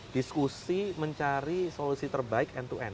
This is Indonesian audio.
diskusi mencari solusi terbaik end to end